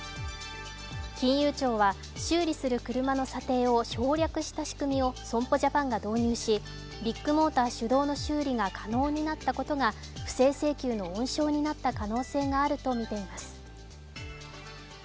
金融庁は、修理する車の査定を省略した仕組みを損保ジャパンが導入し、ビッグモーター主導の修理が可能になったことが不正請求の温床になった可能性があるとみています。